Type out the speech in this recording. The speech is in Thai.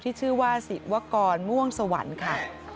ที่ชื่อว่าศิวกรม่วงสวรรค์ค่ะ